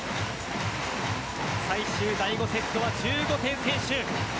最終第５セットは１５点先取。